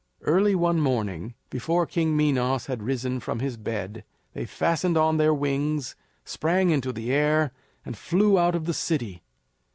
Early one morning; before King Minos had risen from his bed, they fastened on their wings, sprang into the air, and flew out of the city.